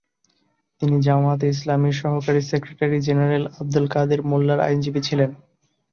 তিনি জামায়াতে ইসলামীর সহকারী সেক্রেটারি জেনারেল আবদুল কাদের মোল্লার আইনজীবী ছিলেন।